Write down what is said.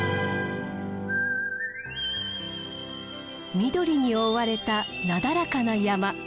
緑に覆われたなだらかな山。